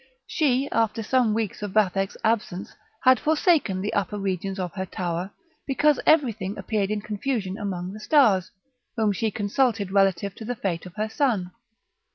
She, after some weeks of Vathek's absence, had forsaken the upper regions of her tower, because everything appeared in confusion among the stars, whom she consulted relative to the fate of her son.